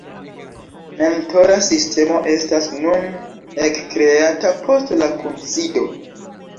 Mentora sistemo estas nun ekkreata post la kunsido.